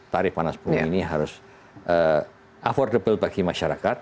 tarif panas bumi ini harus affordable bagi masyarakat